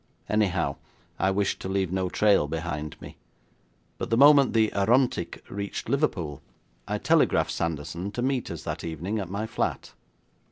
Anyhow, I wished to leave no trail behind me, but the moment the Arontic reached Liverpool, I telegraphed Sanderson to meet us that evening at my flat.